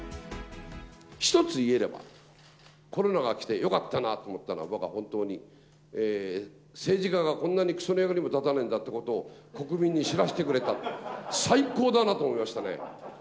一つ言えれば、コロナが来てよかったなと思ったのは、僕は本当に、政治家がこんなくその役にも立たないんだということを、国民に知らせてくれた、最高だなと思いましたね。